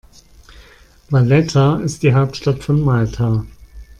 Valletta ist die Hauptstadt von Malta.